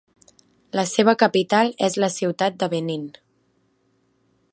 La seva capital és la ciutat de Benín.